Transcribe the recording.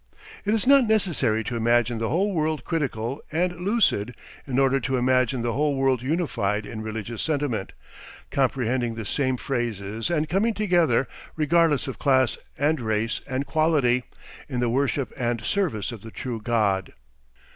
It is not necessary to imagine the whole world critical and lucid in order to imagine the whole world unified in religious sentiment, comprehending the same phrases and coming together regardless of class and race and quality, in the worship and service of the true God.